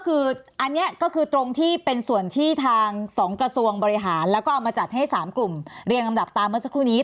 คืออันนี้ก็คือตรงที่เป็นส่วนที่ทาง๒กระทรวงบริหารแล้วก็เอามาจัดให้๓กลุ่มเรียงลำดับตามเมื่อสักครู่นี้